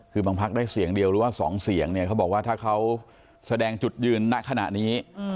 คือบางพักได้เสียงเดียวหรือว่า๒เสียงเนี่ยเขาบอกว่าถ้าเขาแสดงจุดยืนณขณะนี้